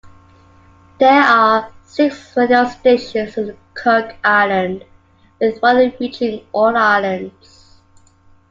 There are six radio stations in the Cook Islands, with one reaching all islands.